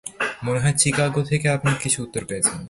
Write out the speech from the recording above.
মনে হয় চিকাগো থেকে আপনি কিছু উত্তর পেয়েছেন।